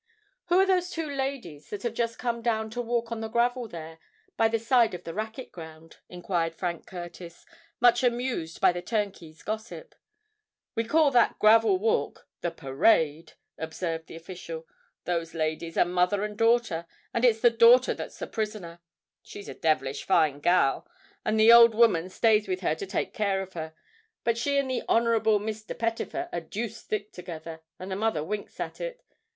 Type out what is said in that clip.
"Who are those two ladies that have just come down to walk on the gravel there, by the side of the racquet ground?" enquired Frank Curtis, much amused by the turnkey's gossip. "We call that gravel walk the parade," observed the official. "Those ladies are mother and daughter; and it's the daughter that's a prisoner. She's a devilish fine gal; and the old woman stays with her to take care of her. But she and the Honourable Mr. Pettifer are deuced thick together; and the mother winks at it.